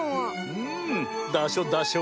うん。